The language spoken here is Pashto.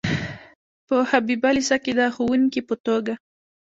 په حبیبیه لیسه کې د ښوونکي په توګه.